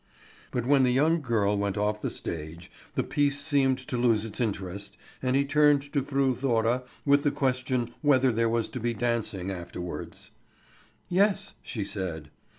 But when the young girl went off the stage the piece seemed to lose its interest, and he turned to Fru Thora with the question whether there was to be dancing afterwards. "Yes," she said.